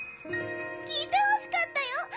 聞いてほしかったよ